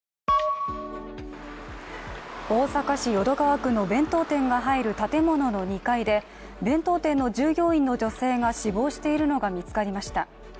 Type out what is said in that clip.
大阪市淀川区の弁当店が入る建物の２階で弁当店の従業員の女性が死亡しているのが見つかりました。